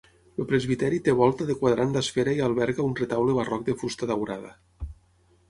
El presbiteri té volta de quadrant d'esfera i alberga un retaule barroc de fusta daurada.